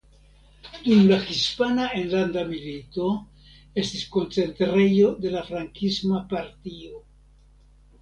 Dum la Hispana Enlanda Milito estis koncentrejo de la frankisma partio.